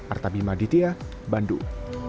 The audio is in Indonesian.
artabima ditya bandung